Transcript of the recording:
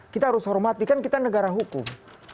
kita harus hormatikan kita negara hukum